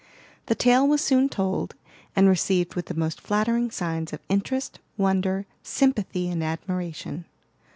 The tale was soon told, and received with the most flattering signs of interest, wonder, sympathy, and admiration.